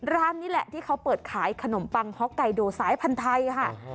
ร้านนี้แหละที่เขาเปิดขายขนมปังฮ็อกไกโดสายพันธุ์ไทยค่ะ